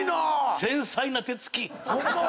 繊細な手つき。